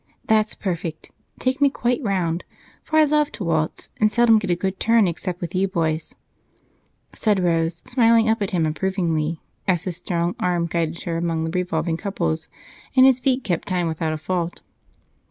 That's perfect take me quite round, for I love to waltz and seldom get a good turn except with you boys," said Rose, smiling up at him approvingly as his strong arm guided her among the revolving couples and his feet kept time without a fault.